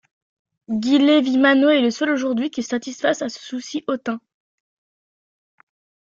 Guy Lévis Mano est le seul aujourd'hui qui satisfasse à ce souci hautain.